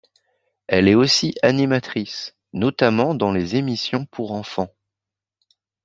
Elle est aussi animatrice, notamment dans les émissions pour enfants.